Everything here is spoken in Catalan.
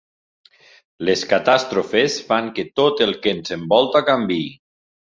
Les catàstrofes fan que tot el que ens envolta canviï.